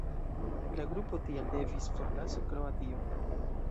La grupo tial devis forlasi Kroatio.